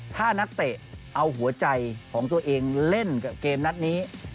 ถ้านักเตะเอาหัวใจของตัวเองเล่นกับเกมนัดนี้